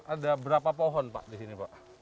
ada berapa pohon pak di sini pak